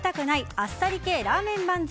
あっさり系ラーメン番付。